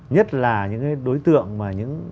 nhất là những cái đối tượng mà những